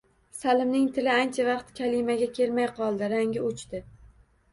Salimning tili ancha vaqt kalimaga kelmay qoldi, rangi oʻchdi.